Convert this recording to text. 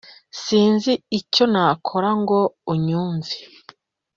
sinzi icyo nakora ngo unyumve